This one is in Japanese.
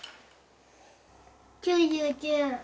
９９。